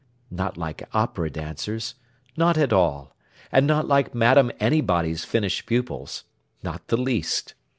Not like opera dancers. Not at all. And not like Madame Anybody's finished pupils. Not the least.